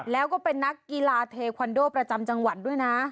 แล้วก็เป็นนักกีฬาเทควันโดประจำจังหวัดด้วยนะ